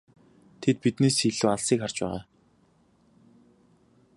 Тэд биднээс илүү алсыг харж байгаа.